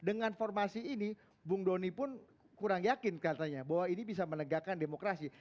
dengan formasi ini bung doni pun kurang yakin katanya bahwa ini bisa menegakkan demokrasi